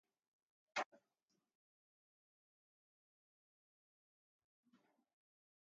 It is located near the park entrance by Hudson Avenue and Henry Johnson Boulevard.